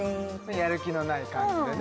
やる気のない感じでね